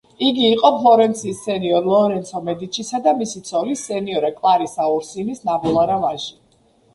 იგი იყო ფლორენციის სენიორ ლორენცო მედიჩისა და მისი ცოლის, სენიორა კლარისა ორსინის ნაბოლარა ვაჟი.